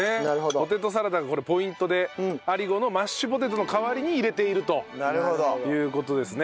ポテトサラダがこれポイントでアリゴのマッシュポテトの代わりに入れているという事ですね。